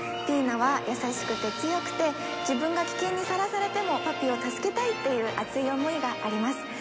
ピイナは優しくて強くて自分が危険にさらされてもパピを助けたいという熱い思いがあります。